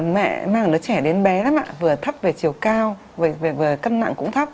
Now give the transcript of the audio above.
mẹ mang đứa trẻ đến bé lắm ạ vừa thấp về chiều cao vừa cân nặng cũng thấp